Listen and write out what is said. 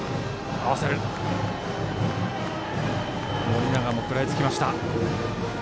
盛永も食らいつきました。